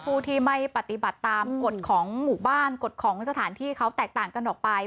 ผู้ที่ไม่ปฏิบัติตามกฎของหมู่บ้านกฎของสถานที่เขาแตกต่างกันออกไป